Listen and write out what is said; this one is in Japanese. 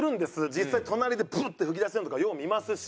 実際隣でブッて吹き出してるのとかよう見ますし。